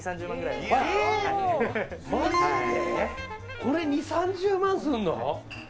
これ、２０３０万円するの！